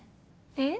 えっ？